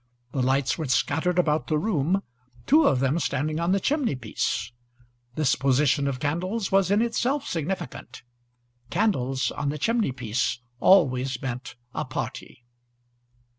The lights were scattered about the room, two of them standing on the chimney piece. This position of candles was in itself significant. Candles on the chimney piece always meant a party.